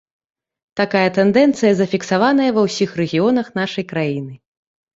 Такая тэндэнцыя зафіксаваная ва ўсіх рэгіёнах нашай краіны.